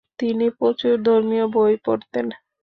তিনি প্রচুর ধর্মীয় বই পড়তেন।